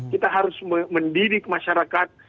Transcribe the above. kita harus mendidik masyarakat